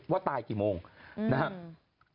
ว่าตายกี่โมงนะฮะ